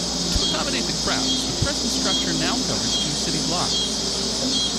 To accommodate the crowds, the present structure now covers two city blocks.